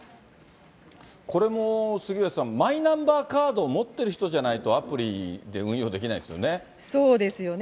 これも杉上さん、マイナンバーカードを持っている人じゃないと、そうですよね。